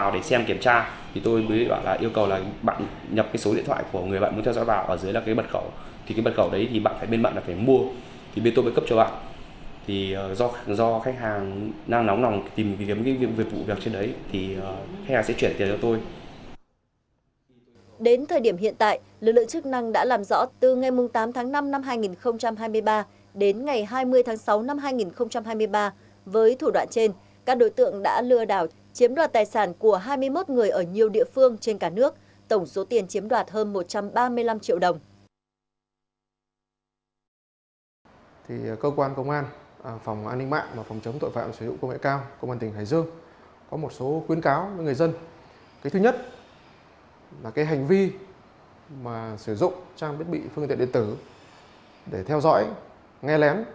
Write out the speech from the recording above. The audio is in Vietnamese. đến ngày hai mươi tháng sáu năm hai nghìn hai mươi ba với thủ đoạn trên các đối tượng đã lừa đảo chiếm đoạt tài sản của hai mươi một người ở nhiều địa phương trên cả nước tổng số tiền chiếm đoạt hơn một trăm ba mươi năm triệu đồng